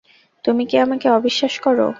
তুমি কি আমাকে অবিশ্বাস কর?